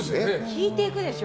引いていくでしょ。